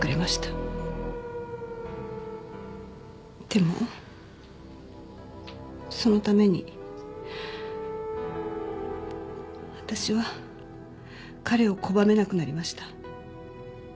でもそのために私は彼を拒めなくなりました。